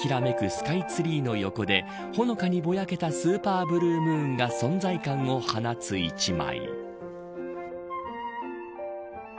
スカイツリーの横でほのかにぼやけたスーパーブルームーンが存在感を放つ一枚。